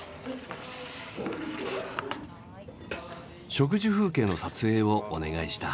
食事風景の撮影をお願いした。